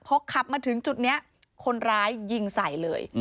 พอขับมาถึงจุดนี้คนร้ายยิงใส่เลย